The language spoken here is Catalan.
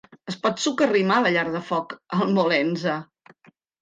Es pot socarrimar a la llar de foc, el molt enze.